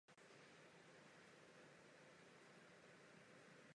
Poté oblékal dres pražské Slavie.